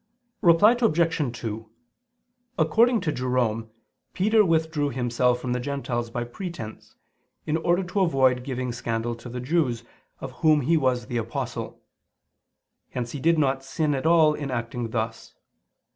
Reply Obj. 2: According to Jerome, Peter withdrew himself from the Gentiles by pretense, in order to avoid giving scandal to the Jews, of whom he was the Apostle. Hence he did not sin at all in acting thus.